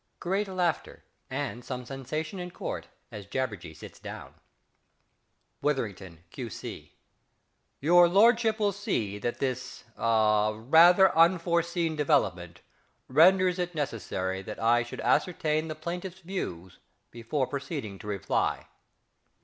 (Great laughter, and some sensation in Court as ~JABBERJEE~ sits down.) Witherington, Q.C. Your lordship will see that this ah rather unforeseen development renders it necessary that I should ascertain the plaintiff's views before proceeding to reply.